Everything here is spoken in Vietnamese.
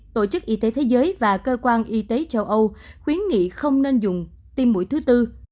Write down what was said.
tổ chức y tế thế giới và cơ quan y tế châu âu khuyến nghị không nên dùng tiêm mũi thứ tư